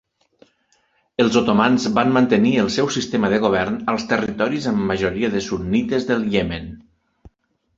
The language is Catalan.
Els otomans van mantenir el seu sistema de govern als territoris amb majoria de sunnites del Iemen.